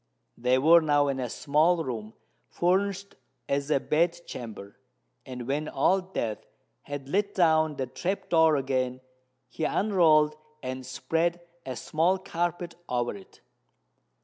They were now in a small room furnished as a bed chamber; and when Old Death had let down the trap door again, he unrolled and spread a small carpet over it.